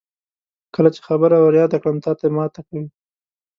کله چې خبره ور یاده کړم تاته ماته کوي.